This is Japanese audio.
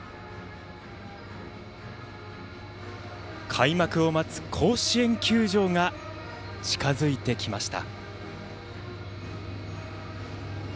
開幕を待つ甲子園球場が近づいてきました。